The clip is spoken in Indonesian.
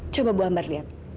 coba bu ambar lihat